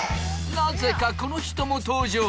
なぜかこの人も登場！